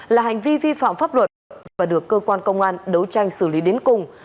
là hành vi vi phạm pháp luật và được cơ quan công an đấu tranh xử lý đến cùng